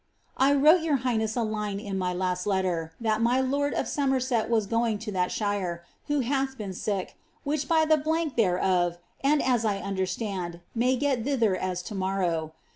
I wrote your highness a line in my last letter, that my lord of Somerset vu going to that shire, who hath been sick, which by the ■ thereof; and as I c dersiand, may get thither as to morrow.